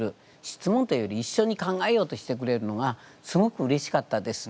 質問というより一緒に考えようとしてくれるのがすごくうれしかったです。